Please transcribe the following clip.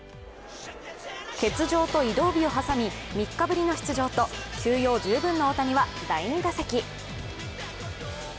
欠場と移動日を挟み、３日ぶりの出場と休養十分の大谷は第２打席。